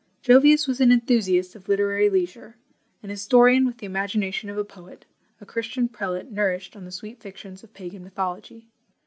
Jovius was an enthusiast of literary leisure: an historian, with the imagination of a poet; a Christian prelate nourished on the sweet fictions of pagan mythology.